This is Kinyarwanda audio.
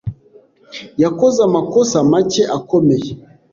yakoze amakosa make akomeye.